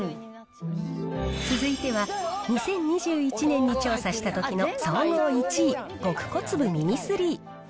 続いては、２０２１年に調査したときの総合１位、極小粒ミニ３。